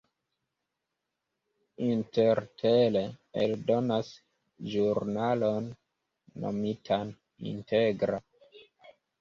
Intertel eldonas ĵurnalon nomitan "Integra".